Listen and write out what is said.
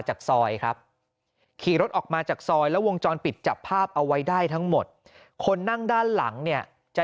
จากซอยครับขี่รถออกมาจากซอยแล้ววงจรปิดจับภาพเอาไว้ได้ทั้งหมดคนนั่งด้านหลังเนี่ยจะ